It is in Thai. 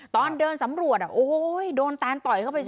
ตอนเดินสำรวจโอ้โหโดนแตนต่อยเข้าไปสิ